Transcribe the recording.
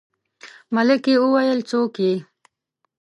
ملکې وويلې څوک يې.